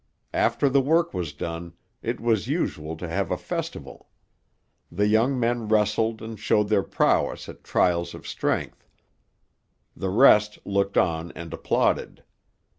After the work was done, it was usual to have a festival. The young men wrestled and showed their prowess at trials of strength; the rest looked on and applauded.